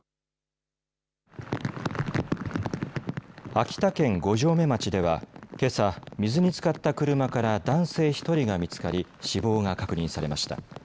秋田県五城目町では、けさ水につかった車から男性１人が見つかり死亡が確認されました。